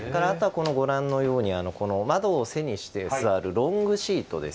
あとはご覧のように窓を背にして座るロングシート。